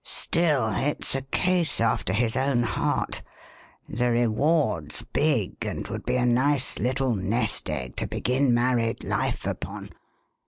Still, it's a case after his own heart; the reward's big and would be a nice little nest egg to begin married life upon.